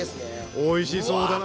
おいしそうだな！